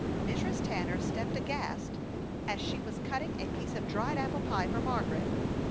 Mrs. Tanner stepped aghast as she was cutting a piece of dried apple pie for Margaret.